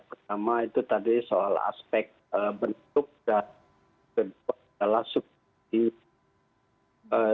pertama itu tadi soal aspek bentuk dan kedua adalah subsidi